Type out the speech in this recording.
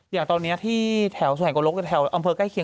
อย่างตอนนี้ที่แถวแวงโกลกแถวอำเภอใกล้เคีย